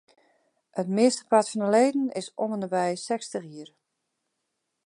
It meastepart fan de leden is om ende by de sechstich jier.